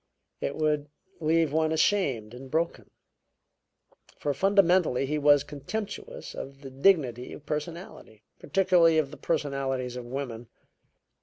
It would leave one ashamed and broken, for fundamentally he was contemptuous of the dignity of personality, particularly of the personalities of women.